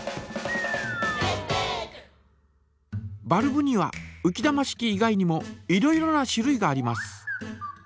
バルブにはうき玉式以外にもいろいろな種類があります。